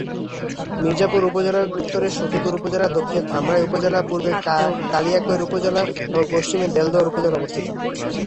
মির্জাপুর উপজেলার উত্তরে সখিপুর উপজেলা, দক্ষিণে ধামরাই উপজেলা, পুর্বে কালিয়াকৈর উপজেলা এবং পশ্চিমে দেলদুয়ার উপজেলা অবস্থিত।